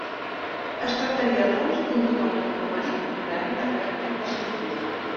Es tractaria, doncs, d'un topònim romànic modern de caràcter descriptiu.